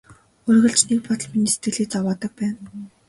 Үргэлж нэг бодол миний сэтгэлийг зовоогоод байна.